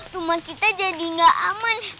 rumah kita jadi nggak aman